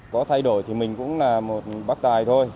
có thay đổi thì mình cũng là một bác tài thôi